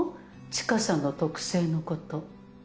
知花さんの特性のこと。